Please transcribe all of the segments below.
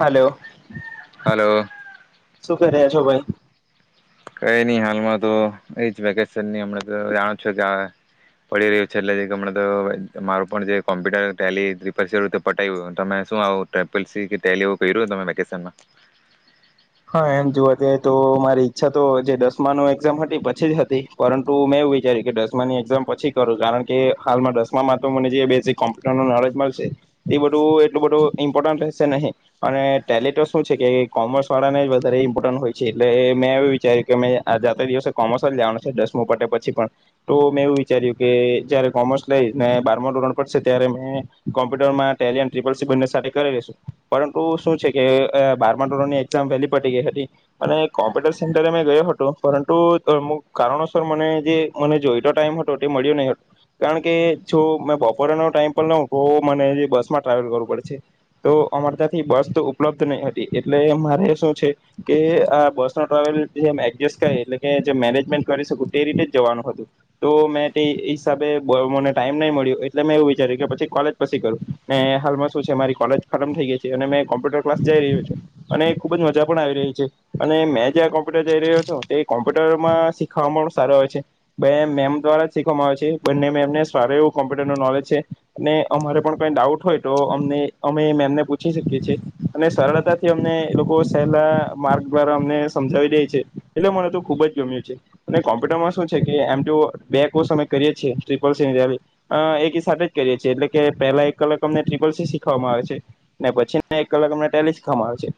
Hello hello. શું કર્યા છો ભાઈ. કઈ નહી હાલમાં તો એ જ વેકેશની હમણાં તો જાણો છો કે આ, પડી રહ્યો છે, એટલે આમના તો મારું પણ જે કોમ્પ્યુટર, ટેલી, ત્રીપલ સી, આવું પતાવ્યું છે, તમે શું આવું ત્રિપલ સી કે ટેલી એવું કર્યું તમારા વેકેશન માં? હા એમ જોવા જઈએ તો મારી ઈચ્છા તો જે દસમાનું એક્ઝામ હતી પછી જ હતી પરંતુ મેં એવું વિચાર્યું કે દસમાની એક્ઝામ પછી કરું કારણ કે હાલમાં દસમામાં તો મને જે બેઝિક કોમ્પ્યુટરનું નોલેજ મળશે એ બધું એટલું બધું ઈમ્પોર્ટન્ટ રહેશે નહીં અને ટેલી તો શું છે કે કોમર્સ. શાળાને જ વધારે ઇમ્પોર્ટન્ટ હોય છે એટલે મેં એવું વિચાર્યું કે મે આજતે દિવસે કોમર્સ જ લેવાનું છે દસમું પટે પછી પણ તો મેં એવું વિચાર્યું કે જયારે કોમર્સ લઈને બારમા ધોરણ પડશે ત્યારે મેં કોમ્પ્યુટરમાં ટેલિય ટિપલ સી બને સાથે કરી લશું પરંતુ શું છે કે બારમા ધોરણ ની એક્ઝામ પહેલી પતી ગઈ હતી, પણ એ કોમ્પ્યુટર સેન્ટરે મેં ગયો હતો, પરંતુ અમુક કારણોસર મને જે મને જોઈતો ટાઈમ હતો, તે મળ્યો નહી હતો, કારણ કે જો મેં બપોરનો ટાઈમ પણ ન તો મને જે બસમાં ટ્રાવેલ કરવું પડે છે, તો અમાર તંથી બસ, તો ઉપલબ્ધ નહી હતી, એટલે એમ મારે શું છે કે આ બસ ન ટ્રાવેલ જેમ એડજસ્ટ કર એટલે કે જે મેનેજમેન્ટ કરી શકું તે રીતે જ જવાનું હતું તો મેં તે હિસાબે મને ટાઈમ નહી મળ્યો એટલે મેં એવું વિચાર્યું કે પછી કોલેજ પછી કરું ને હાલમાં શું છે મારી કોલેજ ખતમ થઈ ગઈ છે અને મેં કોમ્પ્યુટર ક્લાસ જઈ રહ્યો છું અને ખૂબ જ મજા પણ આવી રહી છે, અને મેં જે્યાં કોમ્પ્યુટર જઈ રહ્યો છ તે કોમ્પ્યુટરમાં શીખવામાં પણ સારો આવે છે બે મેમ દ્વારા જ શીખવામાં આવે છે બંને મેમને સારું એવું કોમ્પ્યુટર નુ નોલેજ છે અને અમારે પણ કઈ ડાઉટ હોય તો અને અમે મેમને પૂછી શકીએ છીએ અને સરળતાથી અમને એ લોકો કોર્સ સહેલા માર્ગ દ્વારા અમને સમજાવી દે છે, એટલે મને તો ખુબ જ ગમ્યું છે, અને કોમ્પ્યુટરમાં શું છે, કે એમ તો બે કોષ અમે કરીએ છીએ ત્રીપલ સી અને ટેલી આ એકી સાથે જ કરીએ છીએ, એટલે કે પહેલા એક કલાક અમને ત્રીપલ સી શીખવામાં આવે છે, ને પછી ના એક કલાક અમને ટેલી શીખવામાં આવે છે.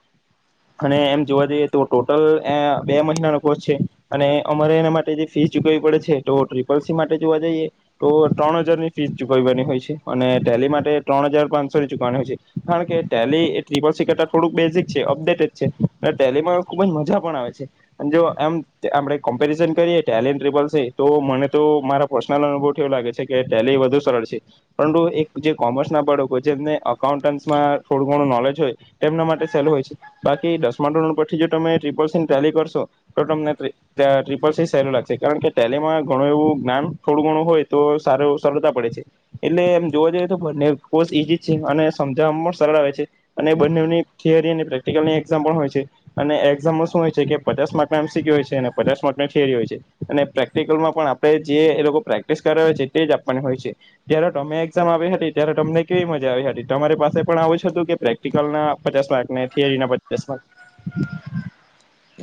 અને એમ જોવા જઈએ તો ટોટલ એ બે મહિનાનો કોર્સ છે અને અમારે એના માટે જે ફીસ ચૂકવવી પડે છે તો ટ્રિપલસી માટે જોવા જઈએ તો ત્રણ હજારની ફીસ ચુકવવાની હોય છે અને ટેલી માટે ત્રણ હજાર પાંચસો ની ચૂકવવાની હોય છે કારણ કે ટેલી એ ટ્રિપલસી કરતા થોડુંક બેઝિક છે. ડેટ જ છે, ટેલીમાં ખૂબ જ મજા પણ આવે છે, અને જો એમ આપણે કમ્પેરિઝન કરીએ ટેલી એન્ડ ટ્રિપલ સી તો મને તો મારા પર્સનલ અનુભવવોથી તો એવુ લાગે છે કે ટેલી વધુ સરળ છે, પરંતુ એક જે કોમર્સ ના બાળકો જેમને અકાઉન્ટન્ટમાં થોડું ઘણું નોલેજ હોય, તેમના માટે સેલુ હોય છે. બા ધછથી તમે ટપલ સન ટટેલી કરશો તો તમને ટ્રીપલ સન સહેું લાગશે કારણ કે ટટેલીમાં ઘણું એવું જ્ઞાન થોડું ઘણું હોય તો સારું સરળતા પડે છે એટલે એમ જોવા જઈએ તો બને કો ઈઝ છે અને સમજાવવામાં પણ સરળ આવે છે અને બનેની થિયરી પ્રે પ્રેક્ટિકલની એક્ઝામ પણ હોય છે અને એક્ઝામમાં શું હોય છે કે પચાસ માર્ક એમ સી્ ક્યુ હોય છે અને પચાસ માર્કની થિયરી હોય છે અને પ્રેક્ટિકલમાં પણ આપણે જે એ લોકો પ્રેક્ટિસ કરાવ હોય છે તે જ આપવાની હોય છે જ્યારે તમે એક્ઝામ આવી હતી ત્યારે તમને કેવી મજા આવી હતી તમારી પાસે પણ આવું જ હતું કે પ્રેક્ટિકલ ના પચાસ માર્કને. કેરી ના બધસમાં.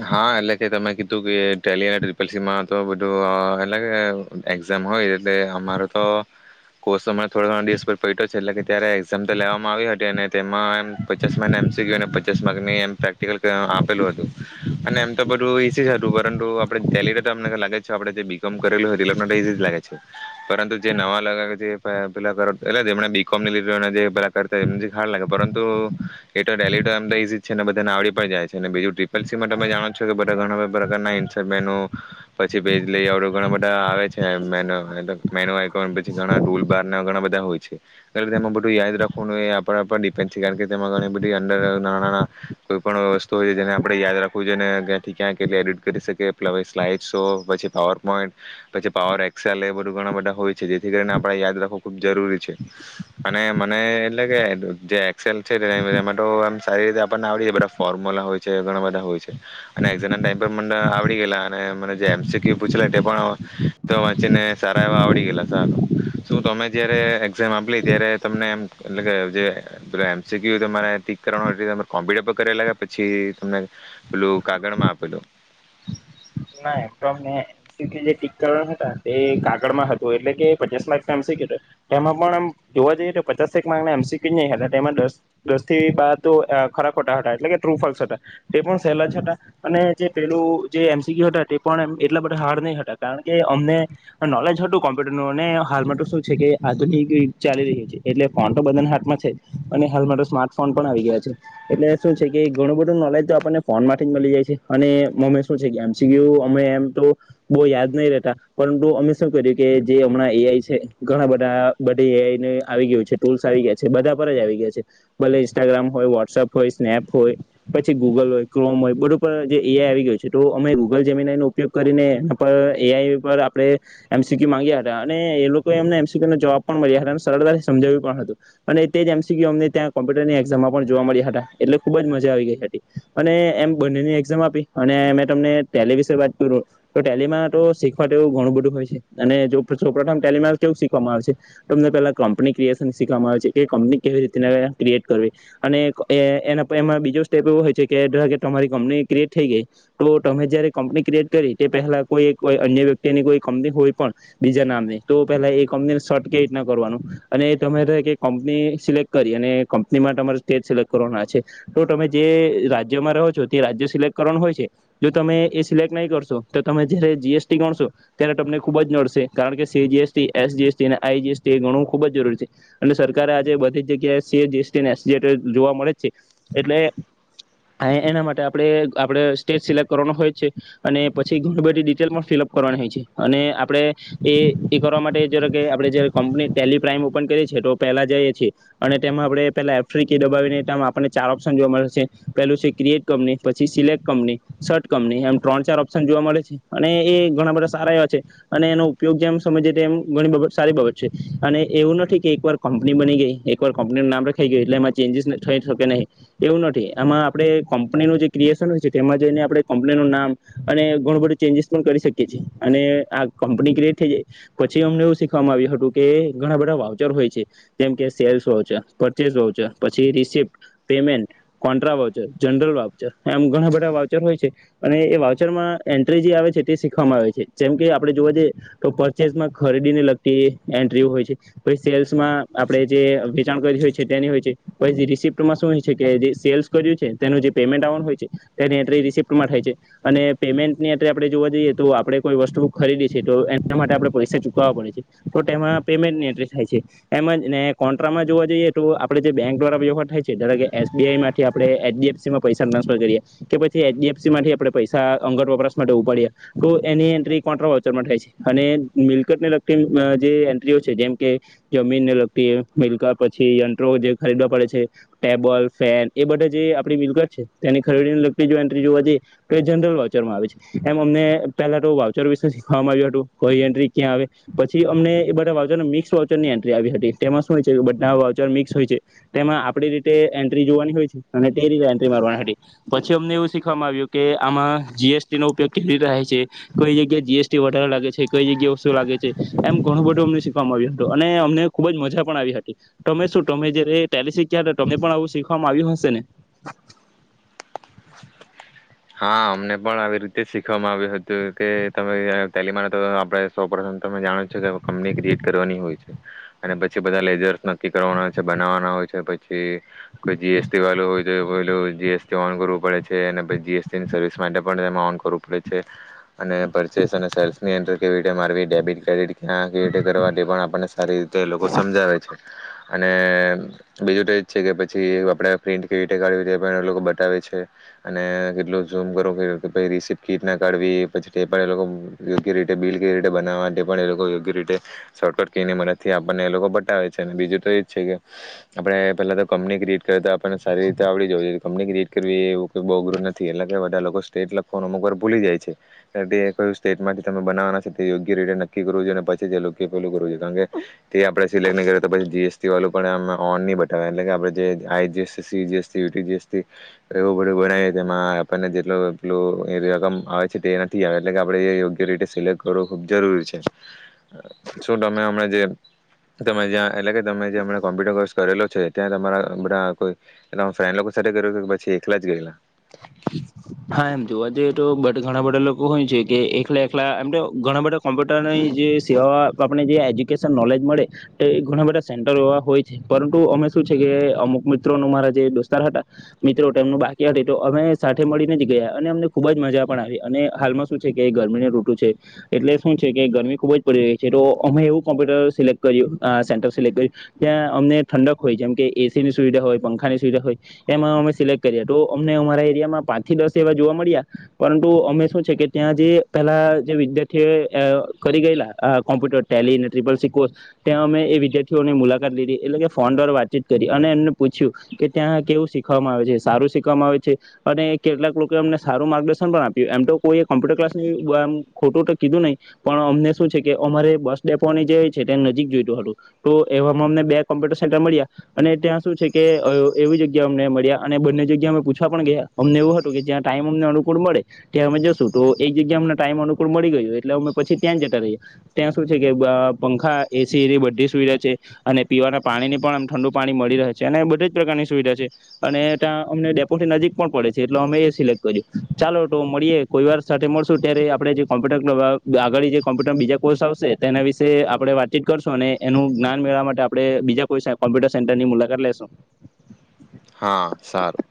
હા એટલે કે તમે કીધું કે ટેલી અને ટ્રિપલ સી માં તો એટલે કે એક્ઝામ હોય એટલે અમારો તો કોર્સ હમણાં થોડા ઘણ દિવસ પએલા પયતો છે એટલે કે, ત્યારે એક્ઝામ તો લેવામાં આવી હતી અને તેમાં એમ પચાસ માગને એમસી ક્યુ ને પચાસ માર્ગ ની એમ પ્રેક્ટિકલ આપેલું હતું. અને એમ તો બધું ઈઝ જ હતું પરંતુ આપડે ટેલી તો અમને ખા લે આપડે જે બીકોમ કરેલું હોય એ લોકોને ઇઝી જ લાગે છે પરંતુ જે નવા લાવ પટલેમ બીકોમની લી પેલા કરતા એમ ખ લાગે પરંતુ એ તો ડેલી એમ તો ઈઝીજ છે ને બધાને આવડી પણ જાય છે બીજું ત્રીપ--. પછી મા તમે જાણો છો કે બધા ઘણા પ્રકારના, [unintelligible] પછી ભેજ લઈ ઘણા બધા આવે છે, એમ મેન મેના પણ પછી ઘણા ટુલ બાર ના ઘણા બધા હોય. એ એમાં બધું યાદ રાખવાનું એ પણ આપણ ડિપેન્ડ થયા કારણ કે તેમાં ઘણી બધી અંદર નાણા, કોઈ પણ વસ્તુ હોય છે, જેને આપડણે યાદ રાખવું જોઈએ ને ક્યાંથી ક્યાં કેટલી એડિટ કરી શકે પલે સ્લાઈડ શો, પછી પાવર પોઈન્ટ પછી પાવર એક્સેલ એ બધું ઘણા બધા હોય છે જેથી કરીને આપણે યાદ રાખવું ખૂબ જરૂરી છે અને મને એટલે કે જે સેલુ છે [unintelligible] એમાં તો સારી રીતે આપને બધા ફર્મુલા હોય. છે ઘણા બધા હોય છે અને એઝા ના ટાઈમ પર મા આવડી ગયેલા. અને મને જે એમસી ક્યુ પુછે લલા તેટ પણ તો. [unintelligible] ચને સારવા આ આવડી ગેલા સાલું. શું તમે જ્યારે એક્ઝામ આપ લ ત્યારે તમને એમ એટલે કે જે એમસીક્યુ તમારે ટઠીક કરવાનું હોય તમારે કોમ્પ્યુટર પર કરે લાગ્યા પછી. તમને પેલું કાગળ માં આપેલું. ના એમ તોમ મેં જે ટીક કરવા હતા કાગળમાં હતું એટલે કે પચાસ માક ના એમસી ક્યુ હતો એમાં પણ આમ જોવા જઈએ તો પચાસ ના એમસી ક્યુ નહી હતા તેમાં દસ થી બાર ખરા ખોટા હતા એટલે કે ટ્રુફોલ્સ હતા તે પણ સહેલાજ હતા અને જે પેલું જે એટલા બધા હાર્ડ નહી હતા કારણ કે અમને નોલેજ હતું કોમ્પ્યુટર નુ અને હાલમાં શું છે કે આધુનિક યુગ ચાલી રહ્યું છે એટલે ફોન તો બધાના હાથમાં છે જ અને હાલ માટે સ્માર્ટ ફોન પણ આવી ગયા છે એટલે શું છે કે ઘણું બધું નોલેજ તો આપણને ફોન માંથી જ મળી જાય છે અને મમે શું છે એમ ું અમે એમ તો બહુ યાદ નહી રહેતા પરંતુ અમે શું કર્યું કે જે હમણાં એઆઈ છે ઘણા બધા બધા એઆઈને આવી ગયું છે ટૂલ્સ આવી ગયા છે બધા પર જ આવી ગયા છે ભલે ઇન્સ્ટાગ્રામ હોય વોટ્સપ હોય સ્નેપ હોય પછી ગૂગલ હોય ક્રોમ હોય બરોબર જે એઆઈ આવી ગયું છે તો અમે. ગૂગલ જેમીના એનો ઉપયોગ કરીને એના પર એઆઈ પર આપણે એમસીક્યુ માંગ્યા હતા અને એ લોકોએ એમને એમસીક્યુના જવાબ પણ મળ્યા હતા અને સરળતાથી સમજાવ્યું પણ હતું અને તે જ એમસીક્યુ અમને ત્યાં કોમ્પ્યુટરની એક્ઝામમાં પણ જોવા મળ્યા હતા એટલે ખૂબ જ મજા આવી ગઈ હતી અને એમ બંનેની એક્ઝામ આપી અને અમે તમને. ટેલી વાત કરું તો ટેલમા તો શીખવા એવું ઘણું બધું હોય છે અને જો પ્રથમ ટેલમા કેવું શીખવામાં આવે છે તો તમને પેલા કંપની ક્રિએશન શીખવામાં આવે છે કે કંપની કેવી રી ક્રિએટ કરવી અને એના એમાં બીજો સ્ટેપ એવો હોય છે કે તમારી કંપની ક્રિએટ થઈ ગઈ તો તમે જયારે કંપની ક્રિએટ કરી તે પહેલા કોઈ અન્ય વ્યક્તિની કોઈ કંપની હોય પણ બીજા નામને તો પહેલા એ કંપનીને સર્ટ ક રીતના કરવાનું અને તમે કે કંપની સિલેક્ટ કરી અને કંપનીમાં તમારે સ્ટેટ સિલેક્ટ કરવાનું છે તો તમે જે રાજ્યમાં રહો છો તે રાજ્ય સિલેક્ટ કરવાનું હોય છે. તમે એ સિલેક્ટ નહીં કરશો તો તમે જ્યારે જીએસટી ગણશો ત્યારે તમને ખૂબ જ નડશે કારણ કે સી જીએસટી એસ જીએસટી અને આઈ જીએસટી એ ગણવું ખૂબ જરૂરી છે એટલે સરકારે આજે બધી જ જગ્યાએ સી જીએસટી અને એસ જએસટી જોવા મળે જ છે એટલે એના માટે આપણે આપણે સ્ટેટ સિલેક્ટ કરવાનો હોય છે અને પછી ઘણી બધી ડિટેલ પણ ફિલઅપ કરવાની હોય છે અને આપણે એ એ કરવા માટે જરા કે આપણે કંપની ટેલી પ્રાાઈમ ઓપન કરીએ છીએ તો પહેલા જઈએ છીએ અને તેમાં આપણે પેલા એફ્રિકી દબાવીને એમાં આપણને ચાર ઓપ્શન જોવા મળે છે પેલું છે ક્રિએટ કંપની પછી સિલેક્ટ કંપની શર્ટ કંપની એમ ત્રણ ચાર ઓપ્શન જોવા મળે છે અને એ ઘણા બધા સારા એવા છે અને એનો ઉપયોગ જેમ સમજ તે એમ ઘણી સારી બાબત છે અને એવું નથી કે એકવાર કંપની બની ગઈ એકવાર કંપનીનું નામ રખાઈ ગયું એટલે એમાં ચેન્જીસ થઈ શકે નહીં એવું નથી આમાં આપે કંપનીનું જે ક્રિએશન હોય છે તેમાં આપણે કંપનીનુંું નામ અને ઘણું બધું ચેન્જીસ પણ કરી શકીએ છીએ અને આ કંપની ક્રિએટ થઈ જાય પછી અમને એવું શીખવાવામાં આવ્યું હતું કે ઘણા બધા વાઉચર હોય છે જેમ કે સેલ્સ વાઉચર પરચેસ વાઉચર પછી receipt payment contra voucher general voucher આમ ઘણા બધા એ વાચરમાં એન્ટ્રી જે આવે છે તે શીખવામાં આવે છે જેમ કે આપણે જોવા જઈએ તો પરચેસમાં ખરીદીને લગતી એન્ટ્રી હોય છે સેલ્સમાં આપણે જે વેચાણ કર હોય છે તેની હોય છે પછ રિસપ્ટમાં શું હોય છે કે જે સેલ્સ કર્યું છે તેનું જે પેમેન્ટ આવવાનું હોય છે તે રિ્ટમાં થાય છે અને પેમેન્ટની એ આપણે જોવા જઈએ તો આપણે કોઈ વસ્તુ ખરીદી છે તો એના માટે આપણે પૈસા ચુકવવા પડે છે તો તેમાં પેમેન્ટની એન્ટ થાય છે એમ ને કોન્ટ્રામાં જોવા જઈએ તો આપડે જે બેંક દ્વારા વ્યવહાર થાય છે કે એસબીઆઈ થી આપણે એચડીએફસી માં પૈસા ટ્રાન્સફર કરીએ. કે પછી એચડીએફસી થી આપણે પૈસા અંગટ વપરાશ માટે ઉપાડ્યા તો એની એન્ટ્રી કોન્ટ્રા વચરમાં થાય છે અને મિલકત ને લગતી જે એન્ટ્રીઓ છે જેમ કે જમીનને લગતી મિલકત પછી યન્ટ્રો જે ખરીદવા પડે છે ટેબલ ફેન એ બધે જે આપણી મિલકત છે તેની ખરીદીને લગતી જોઈ તો એ જનરલ વાઉચરમાં આવે છે એમ અમને પેલા તો વાઉચર વિશે શીખવામાં આવ્યું હતું એન્ટ્રી ક્યાં આવે પછી અમને એ બધાઉચર મિક્સ વાઉચરની એન્ટ્રી આવી હતી તેમાં શું હોય છે બધા વાઉચર મિક્સ હોય છે તેમાં આપડી રીતે એન્ટ્રી જોવાની હોય છે અને તે રીતે એન્ટ મારવાની. પ અમને એવું શીખવામાં આવ્યું કે આમાં જીએસટી નો ઉપયોગ કેવી રહે છે કઈ જગ્યાએ જીએસટી વધારે લાગે છે કઈ જગ્યાએ ઓતુ લાગે છે એમ ઘણું બધું અમને શીખવામાં આવ્યું હતું અને અમને ખુબ જ મજા પણ આવી હતી તમે શું તમે જારે પહેલી શીખ્યા તમને પણ આવું શીખવામાં આવ્યું હશે ને. હા અમને પણ આવી રીતે શીખવામાં આવ્યું હતું કે તમે તલીમા તો આપ સોપ તમે જાણો છો કંપની ક્રિએટ કરવાની હોય છે અને પછી બધા લેઝર્સ નક્કી કરવાના હોય છે બનાવવાના હોય છે પછી કોઈ જીએસટી વાળું હોય. જે પેલું જીએસટી ઓન કરવું પડે છે અને પછી જીએસટી સર્વિસ માટે પણ તેમાં ઓન કરવું પડે છે અને પરચેસ અને સેલ્સની એન્ટર કેવી રીતે મારી ડેબિટ ક્રેડિટ ત્યાં કે કરવા માટે પણ આપણને સારી રીતે લોકો સમજાવે છે. અને બીજું તો એ જ છે કે પછી એક આપડા પ્રિન્ટ કેવી રીતે કાઢવી પણ લોકો બતાવે છે અને કેટલું ઝૂમ કરો કે કે ભાઈ રિસીપ્ટ કીટ ના કાઢવી પછી તેટે પણ એ લોકો યોગ્ય રીતે બિલ કવી રીતે બનાવવા પણ એ લોકો યોગ્ય રીતે શોર્ટકટ કને મદથી આપણને એ લોકો બતાવે છે અને બીજું તો એ જ છે કે આપણે પહેલાં તો કંપની ક્રિએટ કરએ તો આપણને સારી રીતે આવડી જવું જોઈએ કંપની ક્રિએટ કરવી એવું કોઈ બહોગરું નથી એ કે બધા લોકો સ્ટેટ લખો અમુક વાર ભૂલી જાય છે તે કયું સ્ટેટમાંથી તમે બનાવવાના છ તે યોગ્ય રીતે નક્કી કરવું જોઈએ અને પછી જે લોકો પેલું કરવું જોઈએ કારણ કે તે આપણે સિલેક્ટ નહીં કરએ. તો પછી જીએસટી વાળું પણમે ઓન નહી બતાવ એટલે કે આપણે જે આઈ જીએસ સીજીએસટી યટી જીએસથી એવું બધું બનાવીએ તેમાં રકમ આવે છે તે નથી આવે એટલે કે આપણે યોગ્ય રીતે સિલેક્ટ કરવું ખબ જરૂરી છે. શું તમે હમણા જે એટલે કે તમે કોમ્પ્યુટર કોર્સ કરેલો છે ત્યાં તમારા બધા ફ્રેન્ડ લોકો સાથે કર પછી એકલા જ ગયેલા? હા એમ જોવા જઈએ તો બટ ઘણા બધા લોકો હોય છે કે એકલા એકલા એમ તો ઘણા બધા કોમ્પ્યુટરની જે સેવા આપને જે એજ્યુકેશન નોલેજ મળે એ ઘણા બધા સેન્ટરો એવા હોય છે પરંતુ અમે શું છે કે અમુક મિત્રો નું મારા જે દોસ્તાર હતા મિત્રો એમનું બાકી હત તો અમે સા મળીને જ ગયા અને અમને ખૂબ જ મજા પણ આવી અને હાલમાં શું છે કે ગરમીનું રૂટું છે એટલે શું છે કે ગરમી ખૂબ જ પડી રહી છે. તો અમે એવું કોમ્પ્યુટર સિલેક્ટ કર્યું સેન્ટર સિલેક્ટ કર્યું ત્યાં અમને ઠંડક હોય જેમ કે એસીની સુવિધા હોય, પંખાની સુવિધા હોય એમાં અમે સિલેક્ટ કર્યા તો અમને અમારા એરિયામાં પાંચથી દસ એવા જોવા મળ્યા પરંતુ અમે શું છે કે ત્યાં જે પેલા જે વિદ્યાર્થીઓ અ કરી ગયેલા computer Tally triple C course ત્યાં અમે એ વિદ્યાર્થીઓની મુલાકાત લીધી એટલે કે ફોન પર્વાર વાતચીત કરી અને એમને પૂછ્યું કે ત્યાં કેવું શીખવામાં આવે છે સારું શીખવામાં આવે છે અને કેટલાક લોકો અમને સારું માર્ગદર્શન પણ આપ્યું એમ તો કોઈ કોમ્પ્યુટર ક્લાસ આમ ખોટું તો કીધું નહીં પણ અમને શું છે કે અમારે બસ ડેપોની જે છે તેને નજીક જોઈતું હતું. તો એવામાં અમને બે કોમ્પ્યુટર સેન્ટર મળ્યા અને ત્યાં શું છે કે એવી જગ્યા અમને મળ્યા અને બંને જગ્યા અમે પૂછવા પણ ગયા અમને એવું હતું કે જ્યાં ટાઈમ અમને અનુકૂળ મળે ત્યાં અમે જશું તો એક જગ્યા અમને ટાઈમ અનુકૂળ મળી ગયયો એટલે અમે પછી ત્યાં જતા રહીએ ત્યાં શું છે કે પંખા એસીની બધી સુવિધા છે અને પીવાના પાણીની પણ આમ ઠંડુ પાણી મળી રહે છે અને બધી જ પ્રકારની સુવિધા છે અને ત્યાં અમને ડેપોથી નજીક પણ પડે છે. એટલે અમે સિલેક્ટ કર ચાલો તો મળીએ કોઈ વાર સાથે મળશું ત્યારે આપણે જે કોમ્પ્યુટર અગાડી જે કોમ્પ્યુટર બીજા કોર્સ આવશે તેના વિશે આપણે વાતચીત કરશું અને એનું જ્ઞાન મેળવવા માટે આપણે બીજા કોઈ કોમ્પ્યુટર સેન્ટરની મુલાકાત લેેશું. હા સારું.